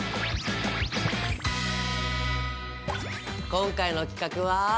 今回の企画は？